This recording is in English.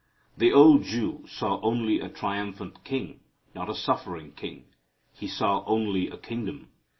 The old Jew saw only a triumphant king, not a suffering king. He saw only a kingdom.